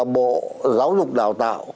bộ giáo dục đào tạo